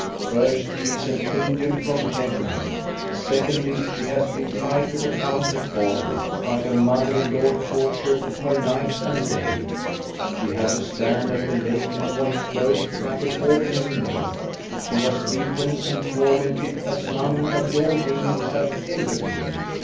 First, she is angel from heaven, — secondly, she has been Tied to the count at Borg. But her mother in law tortured her night and day; she had to stand at the lake and wash clothes like an ordinary maid; she was beaten and tormented as none of your women have ever been.